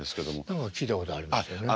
何か聞いたことありますよね。